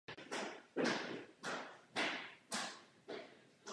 Jak si banka představuje cenovou stabilitu?